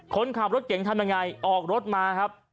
คนขับรถเก่งทำยังไงออกรถมาครับ